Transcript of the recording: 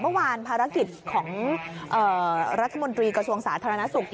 เมื่อวานภารกิจของรัฐมนตรีกระทรวงสาธารณสุข